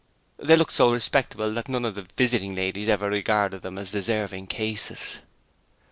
They looked so respectable that none of the 'visiting ladies' ever regarded them as deserving cases.